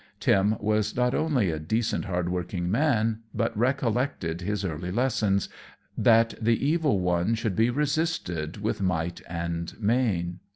Tim was not only a decent, hardworking man, but recollected his early lessons, that the evil one should be resisted with might and main.